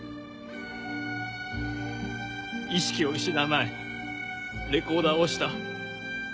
意識を失う前レコーダーを押した。